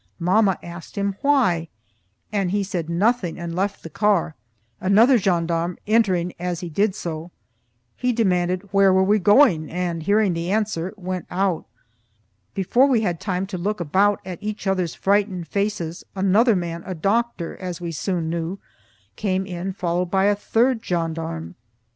Mamma asked him why, but he said nothing and left the car, another gendarme entering as he did so. He demanded where we were going, and, hearing the answer, went out. Before we had had time to look about at each other's frightened faces, another man, a doctor, as we soon knew, came in followed by a third gendarme.